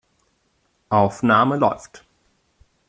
Aufnahme läuft.